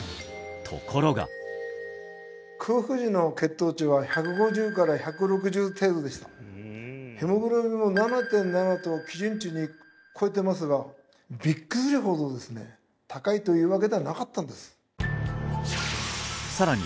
ところが空腹時の血糖値は１５０から１６０程度でしたヘモグロビンも７．７と基準値超えてますがビックリするほどですね高いというわけではなかったんですさらに